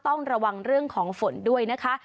ต้องระวังเรื่องของฝนด้วยนะคะ